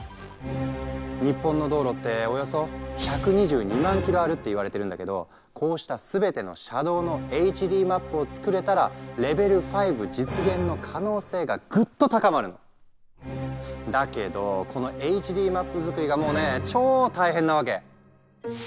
日本の道路っておよそ１２２万ｋｍあるって言われてるんだけどこうした全ての車道のＨＤマップを作れたらレベル５実現の可能性がぐっと高まるの。だけどこのＨＤマップ作りがもうね超大変なわけ。